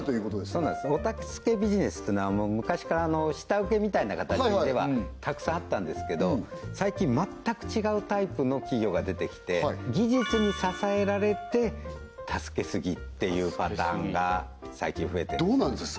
そうなんですお助けビジネスっていうのは昔から下請けみたいな形ではたくさんあったんですけど最近全く違うタイプの企業が出てきて技術に支えられて助けすぎっていうパターンが最近増えてますどうなんですか？